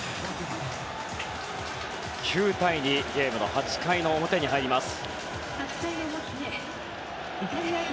９対２、ゲームは８回の表に入ります。